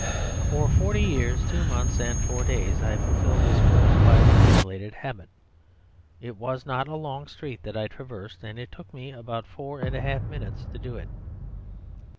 For forty years two months and four days I fulfilled this course by accumulated habit: it was not a long street that I traversed, and it took me about four and a half minutes to do it.